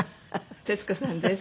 徹子さんです。